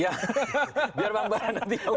yang menjelaskan gitu